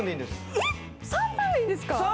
えっ、３分でいいんですか？